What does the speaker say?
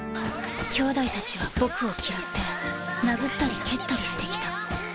兄弟たちは僕を嫌って殴ったり蹴ったりしてきた。